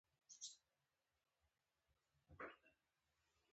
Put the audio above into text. ژوند د الله تر ټولو لوى نعمت ديه.